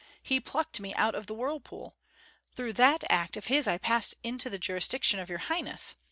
He plucked me out of the whirlpool. Through that act of his I passed into the jurisdiction of your highness.